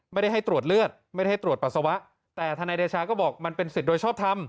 ไม่ได้ให้ตรวจเลือดไม่ได้ให้ตรวจปัสสาวะแต่ทนายเดชาก็บอกมันเป็นสิทธิ์โดยชอบทำ